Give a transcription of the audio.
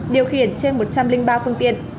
điều khiển trên một trăm linh ba phương tiện